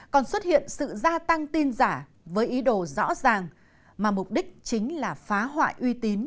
còn xuất hiện sự gia tăng tin giả với ý đồ rõ ràng mà mục đích chính là phá hoại uy tín